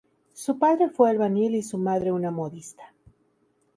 Su padre fue albañil y su madre una modista.